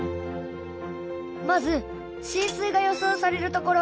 まず浸水が予想される所。